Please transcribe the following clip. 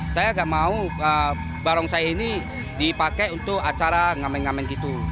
saya nggak mau barongsai ini dipakai untuk acara ngamen ngamen gitu